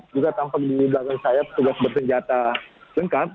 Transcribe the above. juga tampak di belakang saya petugas bersenjata lengkap